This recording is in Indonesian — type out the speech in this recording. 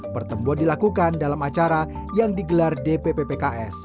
pertemuan dilakukan dalam acara yang digelar dpp pks